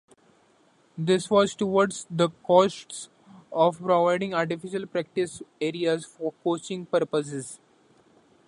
This was towards the costs of providing artificial practice areas for coaching purposes.